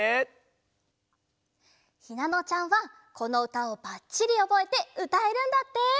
ひなのちゃんはこのうたをばっちりおぼえてうたえるんだって。